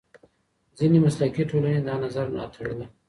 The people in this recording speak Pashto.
ځینې مسلکي ټولنې دا نظر ملاتړوي.